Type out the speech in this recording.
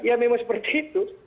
ya memang seperti itu